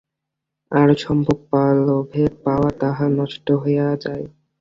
আর সমস্ত পাওয়া লোভের পাওয়া, তাহা নষ্ট হইয়া যায়।